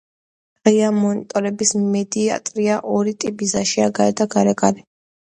ღია მონიტორინგის მედიტაცია ორი ტიპისაა: შინაგანი და გარეგანი.